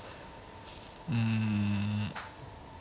うん。